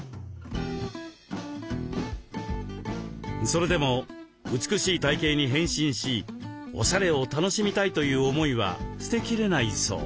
それでも美しい体形に変身しおしゃれを楽しみたいという思いは捨てきれないそう。